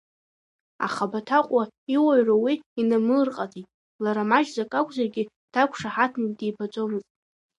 Аха Баҭаҟәа иуаҩра уи инамырҟаҵеит, лара маҷӡак акәзаргьы, дақәшаҳаҭны дибаӡомызт.